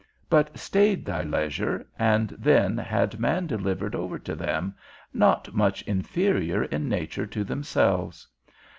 but stayed thy leisure, and then had man delivered over to them, not much inferior in nature to themselves.